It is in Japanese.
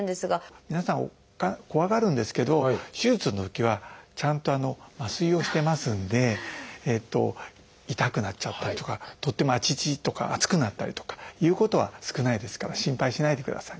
皆さん怖がるんですけど手術のときはちゃんと麻酔をしてますんで痛くなっちゃったりとかとってもアチチとか熱くなったりとかいうことは少ないですから心配しないでください。